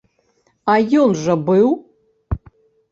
А ён жа быў.